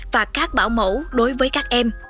và các bảo mẫu đối với các em